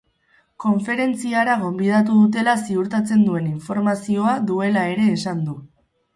Konferentziara gonbidatu dutela ziurtatzen duen informazioa duela ere esan du.